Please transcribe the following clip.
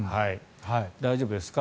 大丈夫ですか？